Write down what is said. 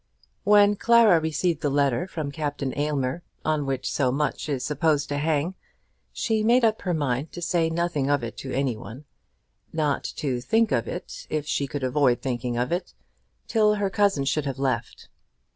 When Clara received the letter from Captain Aylmer on which so much is supposed to hang, she made up her mind to say nothing of it to any one, not to think of it if she could avoid thinking of it, till her cousin should have left her.